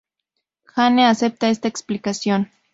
Anne acepta esta explicación.